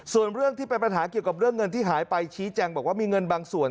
ส่วนเรื่องที่เป็นปัญหาเกี่ยวกับเรื่องเงินที่หายไปชี้แจงบอกว่ามีเงินบางส่วน